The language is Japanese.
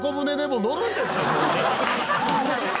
みんなで？